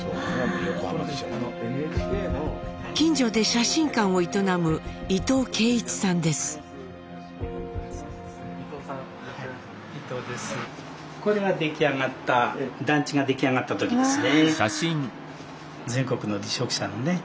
近所で写真館を営むこれが出来上がった団地が出来上がった時ですね。